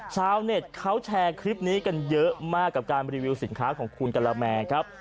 ชาวเน็ตเขาแชร์คลิปนี้กันเยอะมากกับการรีวิวสินค้าของคุณกะละแมครับ